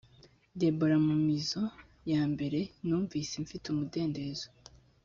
deborah mu mizo ya mbere numvise mfite umudendezo